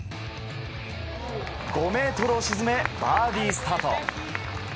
５ｍを沈め、バーディースタート。